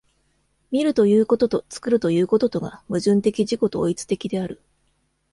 見るということと作るということとが矛盾的自己同一的である。